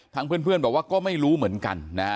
ทั้งเพื่อนบอกว่าก็ไม่รู้เหมือนกัน